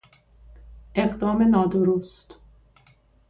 اقدام نادرست